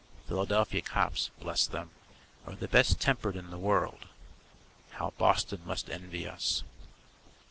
Philadelphia cops, bless them, are the best tempered in the world. (How Boston must envy us.)